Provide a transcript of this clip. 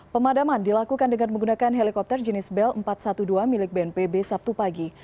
pemadaman dilakukan dengan menggunakan helikopter jenis bel empat ratus dua belas milik bnpb sabtu pagi